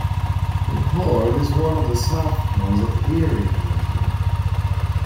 Concord is one of the "Southtowns" of Erie County.